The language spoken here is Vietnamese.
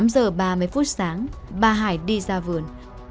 tám giờ ba mươi phút sáng bà hải đi ra vườn